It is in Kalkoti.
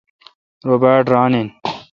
رو باڑ ران این۔